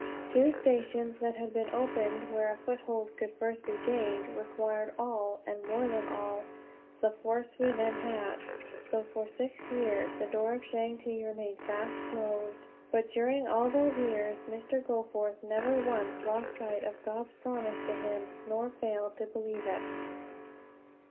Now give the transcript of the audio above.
Two stations that had been opened, where a foothold could first be gained, required all, and more than all, the force we then had. So for six years the door to Changte remained fast closed. But during all those years Mr. Goforth never once lost sight of God's promise to him, nor failed to believe it.